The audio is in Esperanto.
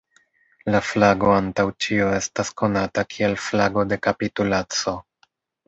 La flago antaŭ ĉio estas konata kiel flago de kapitulaco.